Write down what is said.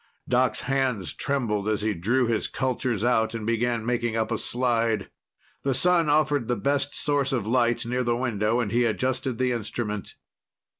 Doc's hands trembled as he drew his cultures out and began making up a slide. The sun offered the best source of light near the window, and he adjusted the instrument.